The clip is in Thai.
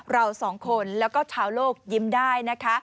เราสองคนแล้วก็ชาวโลกยิ้มได้นะคะ